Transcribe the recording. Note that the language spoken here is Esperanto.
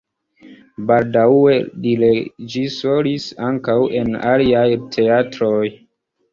Baldaŭe li reĝisoris ankaŭ en aliaj teatroj.